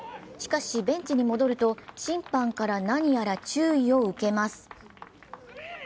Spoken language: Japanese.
しかし、ベンチに戻ると審判から何やら注意を受けます。